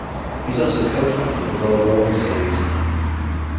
He is also co-founder of the World Rolling Series.